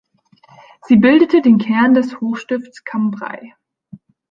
Sie bildete den Kern des Hochstifts Cambrai.